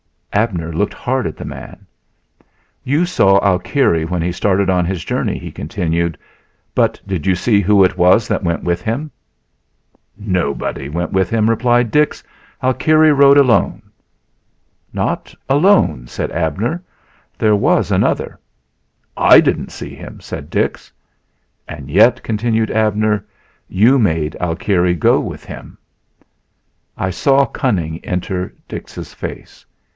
Abner looked hard at the man. "You saw Alkire when he started on his journey," he continued; "but did you see who it was that went with him?" "Nobody went with him," replied Dix; "Alkire rode alone." "Not alone," said Abner; "there was another." "I didn't see him," said Dix. "And yet," continued Abner, "you made Alkire go with him." I saw cunning enter Dix's face.